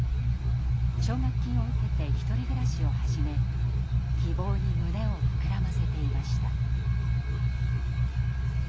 奨学金を受けて１人暮らしを始め希望に胸を膨らませていました。